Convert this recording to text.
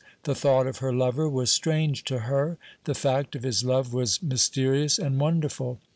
The thought of her lover was strange to her; the fact of his love was mysterious and wonderful.